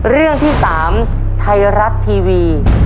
เรื่องที่๓ไทยรัฐทีวี